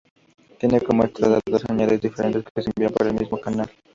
Tiene como entrada dos señales diferentes que se envían por el mismo canal.